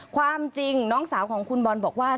ความจริงน้องสาวของคุณบอลบอกว่า